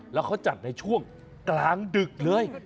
แล้วเขาจัดในช่วงกลางดึกเลย